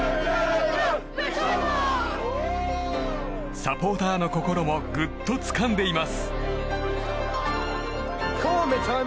サポーターの心もぐっとつかんでいます。